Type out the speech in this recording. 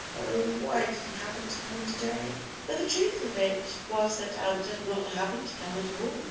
Oh, why did he happen to come to day!" But the truth of it was that Albert had not happened to come at all.